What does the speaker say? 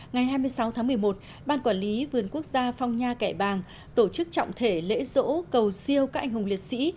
ngày hai mươi sáu tháng một mươi một ban quản lý vườn quốc gia phong nha kẻ bàng tổ chức trọng thể lễ dỗ cầu siêu các anh hùng liệt sĩ